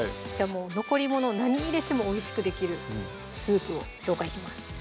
もう残り物何入れてもおいしくできるスープを紹介します